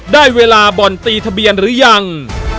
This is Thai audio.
ได้เวลาบ่อนตีทะเบียนหรือยัง